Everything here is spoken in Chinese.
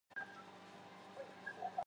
前鳃盖缺刻不显着。